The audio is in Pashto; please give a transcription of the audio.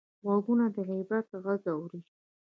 غوږونه د عبرت غږ اوري